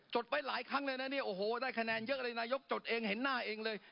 ดไว้หลายครั้งเลยนะเนี่ยโอ้โหได้คะแนนเยอะเลยนายกจดเองเห็นหน้าเองเลย